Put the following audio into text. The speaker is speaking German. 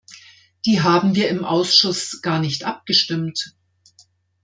Die haben wir im Ausschuss gar nicht abgestimmt.